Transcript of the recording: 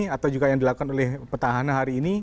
atau juga yang dilakukan oleh petahana hari ini